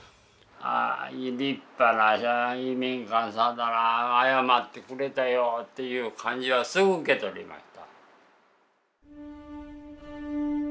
ああ立派な移民官さんだな謝ってくれたよという感じはすぐ受け取りました。